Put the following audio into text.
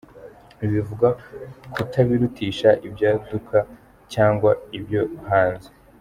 Ibi bivuga kutabirutisha ibyaduka cyangwa ibyo hanze.